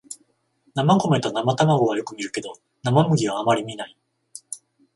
生米と生卵はよく見るけど生麦はあまり見ない